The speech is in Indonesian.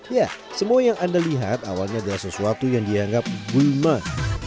ya semua yang anda lihat awalnya adalah sesuatu yang dianggap bulman